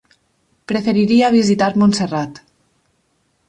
Preferiria visitar Montserrat.